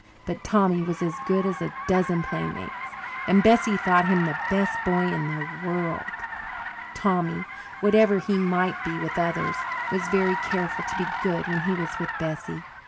But Tommy was as good as a dozen playmates, and Bessie thought him the best boy in the world. Tommy, whatever he might be with others, was very careful to be good when he was with Bessie.